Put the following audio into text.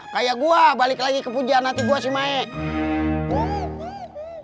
kayak gua balik lagi ke pujaan hati gua si maya